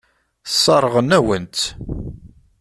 Sseṛɣen-awen-tt.